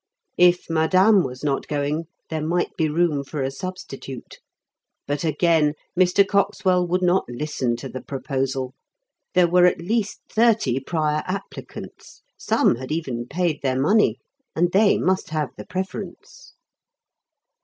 If Madame was not going there might be room for a substitute. But again Mr. Coxwell would not listen to the proposal. There were at least thirty prior applicants; some had even paid their money, and they must have the preference.